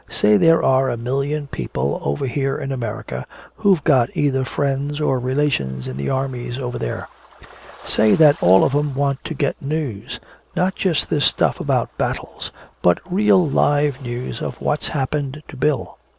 Say there are a million people over here in America who've got either friends or relations in the armies over there. Say that all of 'em want to get news not just this stuff about battles, but real live news of what's happened to Bill.